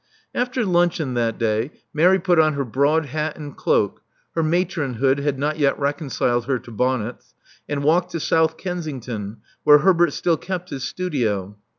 After luncheon that day, Mary put on her broad hat and cloak — her matronhood had not yet reconciled her to bonnets — and walked to South Kensington, where Herbert still kept his studio.